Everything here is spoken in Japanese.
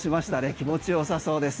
気持ち良さそうです。